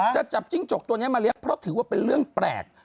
จะจับจิ้งจกตัวนี้มาเลี้ยงเพราะถือว่าเป็นเรื่องแปลก